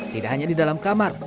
tidak hanya di dalam kamar